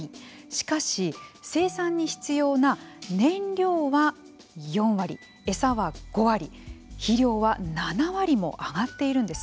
しかし、生産に必要な燃料は４割餌は５割、肥料は７割も上がっているんです。